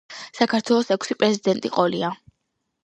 საქართველოს ექვსი პრეზიდენტი ყოლია